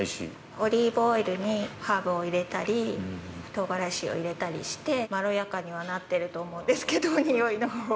オリーブオイルにハーブを入れたりとうがらしを入れたりしてまろやかにはなっていると思うんですけど、においのほうは。